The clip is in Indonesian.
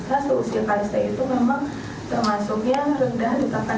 dan sampai saat ini masih full dari alat